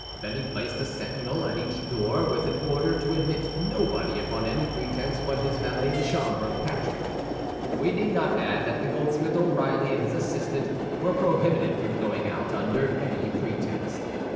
Then he placed a sentinel at each door, with an order to admit nobody upon any pretense but his valet de chambre, Patrick. We need not add that the goldsmith, O'Reilly, and his assistant, were prohibited from going out under any pretext.